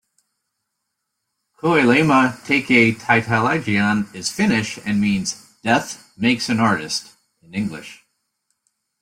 "Kuolema Tekee Taiteilijan" is Finnish and means ""Death Makes an Artist"" in English.